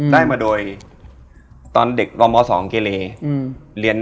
ได้มาโดยตอนเด็กรอม๒เกเล